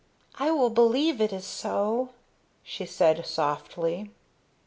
"I will believe it is so," she said softly.